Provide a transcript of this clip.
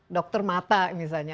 dokter mata misalnya